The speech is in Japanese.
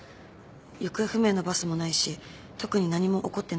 行方不明のバスもないし特に何も起こってないようです。